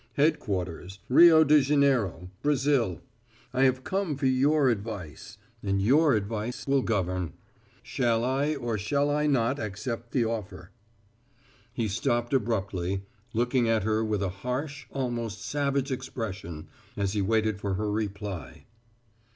Headquarters, Rio de Janiero, Brazil. I have come for your advice, and your advice will govern. Shall I or shall I not accept the offer?" He stopped abruptly, looking at her with a harsh, almost savage expression, as he waited for her reply.